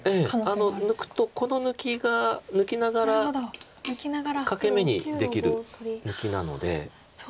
ええ抜くとこの抜きが抜きながら欠け眼にできる抜きなので。